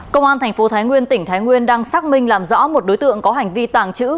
công an thành phố thái nguyên tỉnh thái nguyên đang xác minh làm rõ một đối tượng có hành vi tàng trữ